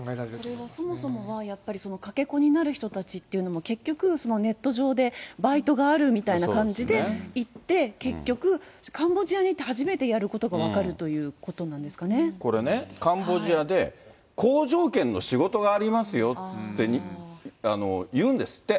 でもそもそもは、やっぱりかけ子になる人たちっていうのは、結局、ネット上でバイトがあるみたいな感じで行って、結局カンボジアに行って初めてやることが分かるということなんでこれね、カンボジアで好条件の仕事がありますよって言うんですって。